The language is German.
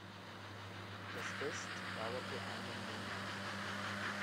Das Fest dauerte einen Monat.